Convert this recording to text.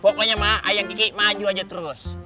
pokoknya mah ayang gigi maju aja terus